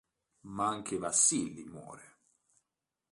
Ma anche Vasilij muore.